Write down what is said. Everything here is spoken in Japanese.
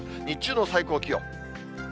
日中の最高気温。